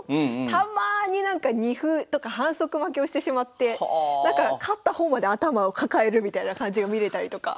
たまになんか二歩とか反則負けをしてしまって勝った方まで頭を抱えるみたいな感じが見れたりとか。